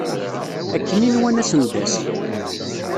Akken i nwan ad sen-d-tas.